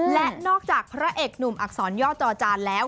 และนอกจากพระเอกหนุ่มอักษรย่อจอจานแล้ว